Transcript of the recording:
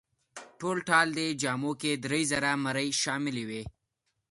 ټولټال دې جامو کې درې زره مرۍ شاملې وې.